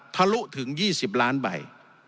ทะลุถึง๒๐ล้านใบ